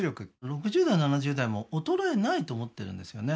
６０代７０代も衰えないと思ってるんですよね